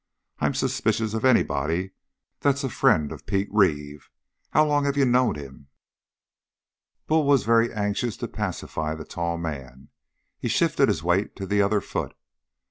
I'm suspicious of anybody that's a friend of Pete Reeve. How long have you knowed him?" Bull was very anxious to pacify the tall man. He shifted his weight to the other foot.